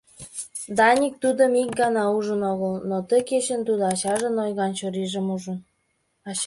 Даник тудым ик ганат ужын огыл, но ты кечын тудо ачажын ойган чурийжым ужын.